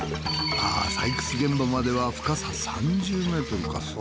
あぁ採掘現場までは深さ３０ｍか。